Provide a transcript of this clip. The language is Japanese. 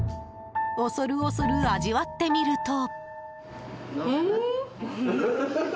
恐る恐る味わってみると。